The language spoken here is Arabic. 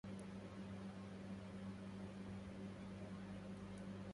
رددي أخبار عمرو وعمر